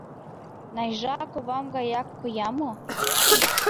— Найжа ковам гаяк коям мо?